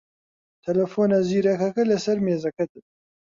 تەلەفۆنە زیرەکەکە لەسەر مێزەکەتە.